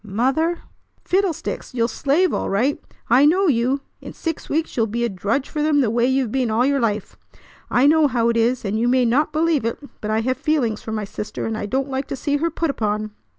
Mother! fiddlesticks! You'll slave all right. I know you. In six weeks you'll be a drudge for them the way you've been all your life! I know how it is, and you may not believe it; but I have feelings for my sister, and I don't like to see her put upon."